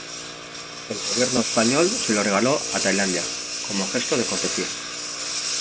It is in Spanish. El gobierno español se lo regaló a Tailandia como gesto de cortesía.